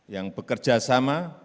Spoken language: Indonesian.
yang bekerja sama